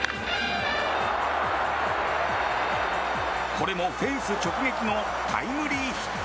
これもフェンス直撃のタイムリーヒット。